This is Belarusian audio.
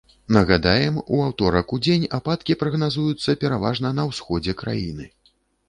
Нагадаем, у аўторак удзень ападкі прагназуюцца пераважна на ўсходзе краіны.